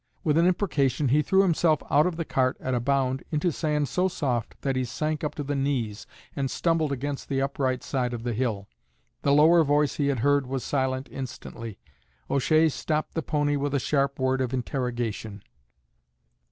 With an imprecation he threw himself out of the cart at a bound into sand so soft that he sank up to the knees and stumbled against the upright side of the hill. The lower voice he had heard was silent instantly. O'Shea stopped the pony with a sharp word of interrogation.